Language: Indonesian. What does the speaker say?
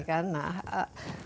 luar biasa ya